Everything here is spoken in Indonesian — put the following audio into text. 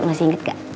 masih inget gak